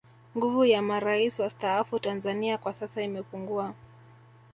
nguvu ya marais wastaafu tanzania kwa sasa imepungua